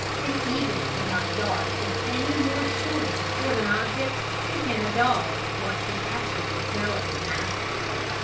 An eagle could not dart with any more sureness toward an object than can a dog, once he catches the smell of his master.